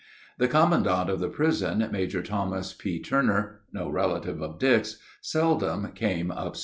The commandant of the prison, Major Thomas P. Turner (no relative of Dick's), seldom came up stairs.